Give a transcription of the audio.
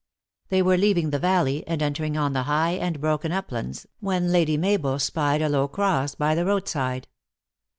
They were leaving the valley, and entering on the high and broken uplands, when Lady Mabel spied a low cross by the roadside.